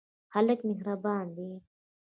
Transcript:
هلک مهربان دی.